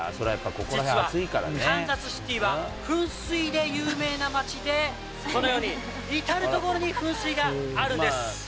実はカンザスシティは噴水で有名な街で、このように至る所に噴水があるんです。